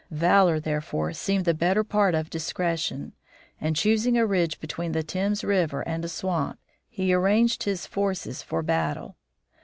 Valor, therefore, seemed the better part of discretion, and, choosing a ridge between the Thames River and a swamp, he arranged his forces for battle.